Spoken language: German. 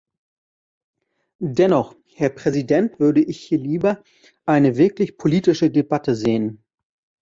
Dennoch, Herr Präsident, würde ich hier lieber eine wirklich politische Debatte sehen.